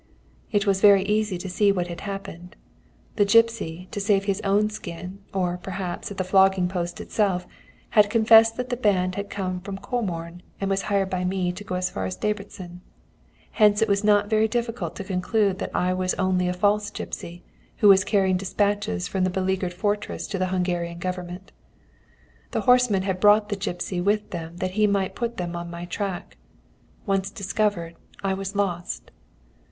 "It was very easy to see what had happened. The gipsy, to save his own skin, or, perhaps, at the flogging post itself, had confessed that the band had come from Comorn, and was hired by me to go as far as Debreczin. Hence it was not very difficult to conclude that I was only a false gipsy, who was carrying despatches from the beleaguered fortress to the Hungarian Government. "The horsemen had brought the gipsy with them that he might put them on my track. Once discovered, and I was lost.